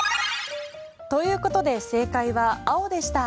ということで正解は青でした。